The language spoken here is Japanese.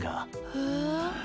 へえ。